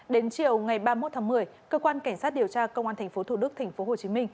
đến chiều ngày ba mươi một tháng một mươi cơ quan cảnh sát điều tra công an tp thủ đức tp hcm